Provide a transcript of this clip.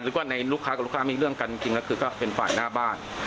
ว่าในลูกค้ากับลูกค้ามีเรื่องกันจริงแล้วคือก็เป็นฝ่ายหน้าบ้าน